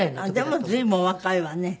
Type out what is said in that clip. でも随分お若いわね。